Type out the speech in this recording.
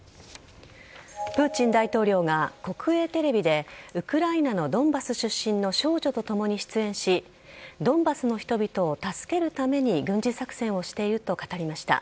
プーチン大統領が国営テレビでウクライナのドンバス出身の少女とともに出演しドンバスの人々を助けるために軍事作戦をしていると語りました。